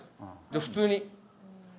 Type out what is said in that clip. じゃあ普通に。